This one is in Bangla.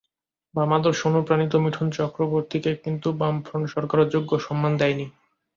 বাম আদর্শে অনুপ্রাণিত মিঠুন চক্রবর্তীকে কিন্তু বামফ্রন্ট সরকারও যোগ্য সম্মান দেয়নি।